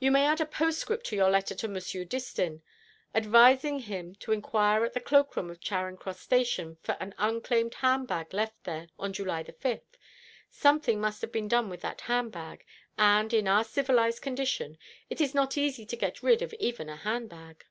"You may add a postscript to your letter to Monsieur Distin, advising him to inquire at the cloak room of Charing Cross Station for an unclaimed handbag left there on July 5th. Something must have been done with that handbag, and, in our civilised condition, it is not easy to get rid of even a handbag."